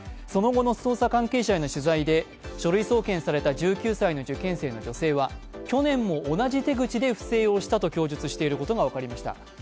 その後の捜査関係者への取材で書類送検された１９歳の受験生の女性は去年も同じ手口で不正をしたと供述していることが分かりました。